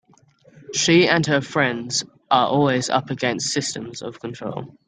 She and her friends are always up against systems of control.